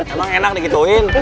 emang enak dikituin